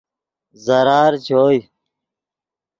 ضرار چوئے